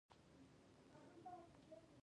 دوی تر ډېره په یوه مسیر کې وو